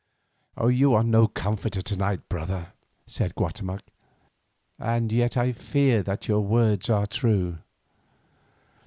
"You are no comforter to night, my brother," said Guatemoc, "and yet I fear that your words are true.